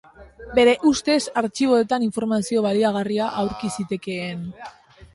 Bere ustez artxiboetan informazio baliagarria aurki zitekeen.